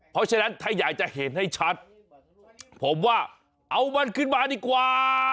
เพราะฉะนั้นถ้าอยากจะเห็นให้ชัดผมว่าเอามันขึ้นมาดีกว่า